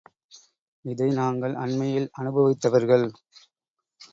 இதை நாங்கள் அண்மையில் அனுபவித்தவர்கள்.